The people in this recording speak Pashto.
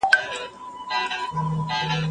خلګ باید له تیر تاریخ څخه عبرت واخلي.